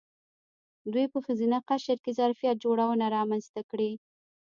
دوی په ښځینه قشر کې ظرفیت جوړونه رامنځته کړې.